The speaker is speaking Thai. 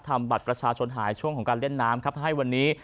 บัตรประชาชนหายช่วงของการเล่นน้ำครับให้วันนี้